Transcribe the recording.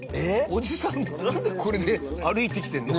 おじさんなんでこれで歩いてきてるの？